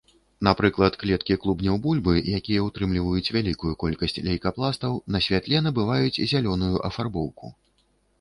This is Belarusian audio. Напрыклад, клеткі клубняў бульбы, якія ўтрымліваюць вялікую колькасць лейкапластаў, на святле набываюць зялёную афарбоўку.